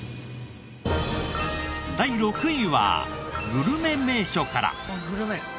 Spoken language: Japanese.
第６位はグルメ名所から。